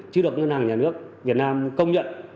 chưa được ngân hàng nhà nước việt nam công nhận